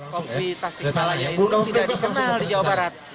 kopi tasikmalaya ini tidak dikenal di jawa barat